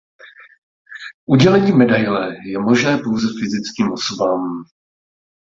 Udělení medaile je možné pouze fyzickým osobám.